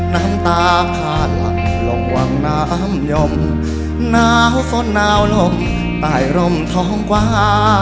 น้ำตาขาดหลักลงวังน้ำยมหนาวสนหนาวลมตายร่มท้องกว่า